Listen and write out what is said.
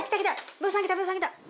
ブーさん来たブーさん来た！